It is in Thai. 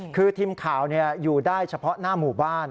คือทีมข่าวอยู่ได้เฉพาะหน้าหมู่บ้าน